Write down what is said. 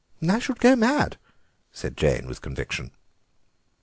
"I should go mad," said Jane with conviction.